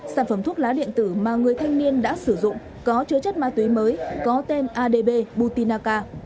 sản phẩm thuốc lá điện tử mà người thanh niên đã sử dụng có chứa chất ma túy mới có tên adbutinaka